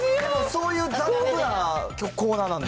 そういう残酷なコーナーなんで。